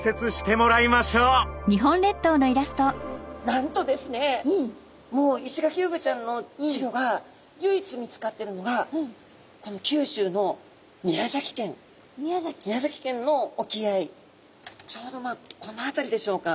なんとですねもうイシガキフグちゃんの稚魚が唯一見つかってるのが九州の宮崎県宮崎県の沖合ちょうどまあこの辺りでしょうか。